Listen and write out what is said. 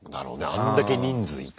あんだけ人数いてさ。